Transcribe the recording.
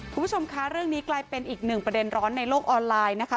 คุณผู้ชมคะเรื่องนี้กลายเป็นอีกหนึ่งประเด็นร้อนในโลกออนไลน์นะคะ